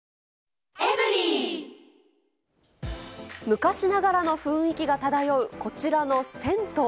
昔ながらの雰囲気が漂うこちらの銭湯。